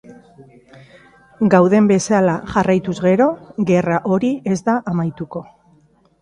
Gauden bezala jarraituz gero, gerra hori ez da amaituko.